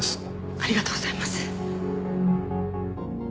ありがとうございます。